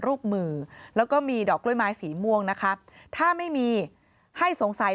รูปมือแล้วก็มีดอกกล้วยไม้สีม่วงนะคะถ้าไม่มีให้สงสัย